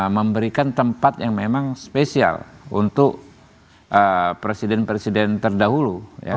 memberikan tempat yang memang spesial untuk presiden presiden terdahulu